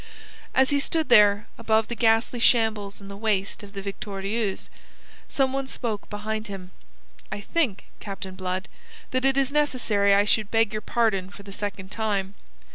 As he stood there, above the ghastly shambles in the waist of the Victorieuse, some one spoke behind him. "I think, Captain Blood, that it is necessary I should beg your pardon for the second time.